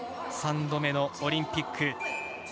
３度目のオリンピック。